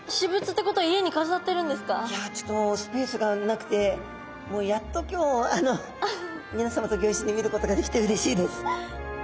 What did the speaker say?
いやちょっとスペースがなくてもうやっと今日みなさまとギョいっしょに見ることができてうれしいです。